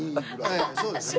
はいそうですね。